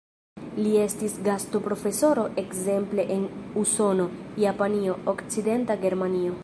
Li estis gastoprofesoro ekzemple en Usono, Japanio, Okcidenta Germanio.